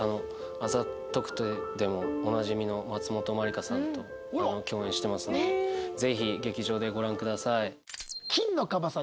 『あざとくて』でもおなじみの松本まりかさんと共演してますのでぜひ劇場でご覧ください。